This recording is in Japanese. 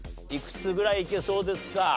いくつぐらいいけそうですか？